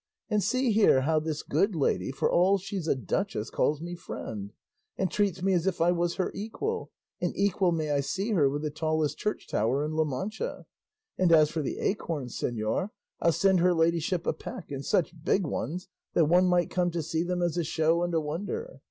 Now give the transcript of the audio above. And see here how this good lady, for all she's a duchess, calls me 'friend,' and treats me as if I was her equal and equal may I see her with the tallest church tower in La Mancha! And as for the acorns, señor, I'll send her ladyship a peck and such big ones that one might come to see them as a show and a wonder.